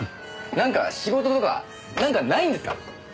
なんか仕事とかなんかないんですか？